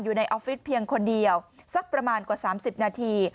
อยู่ในออฟฟิศเพียงคนเดียวสักประมาณกว่าสามสิบนาที